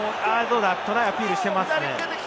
トライをアピールしていますね。